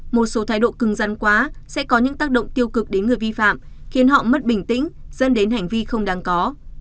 một số thái độ cưng rắn quá sẽ có những tác động tiêu cực đến người vi phạm khiến họ mất bình tĩnh dẫn đến hành vi không đáng có